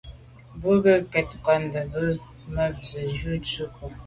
Bú jə́ ŋgɔ́ gə́ kwáàdə́ mbə̄ à bá nə̀ zwí ŋkɔ́.